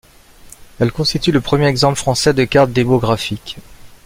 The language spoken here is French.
Elle constitue le premier exemple français de carte démographique.